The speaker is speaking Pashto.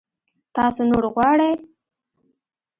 تاسو نور غواړئ؟